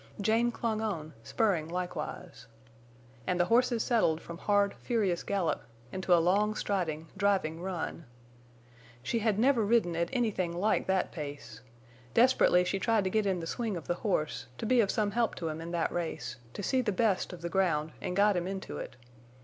Jane clung on, spurring likewise. And the horses settled from hard, furious gallop into a long striding, driving run. She had never ridden at anything like that pace; desperately she tried to get the swing of the horse, to be of some help to him in that race, to see the best of the ground and guide him into it.